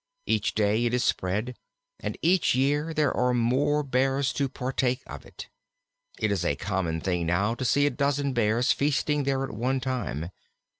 Each day it is spread, and each year there are more Bears to partake of it. It is a common thing now to see a dozen Bears feasting there at one time.